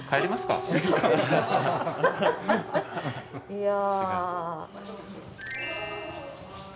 いや。